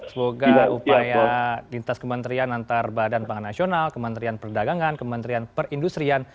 semoga upaya lintas kementerian antar badan pangan nasional kementerian perdagangan kementerian perindustrian